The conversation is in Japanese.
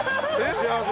幸せ？